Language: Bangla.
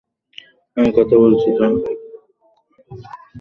আমি কথা বলছি তো!